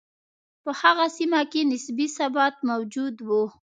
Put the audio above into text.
په هغه سیمه کې نسبي ثبات موجود و.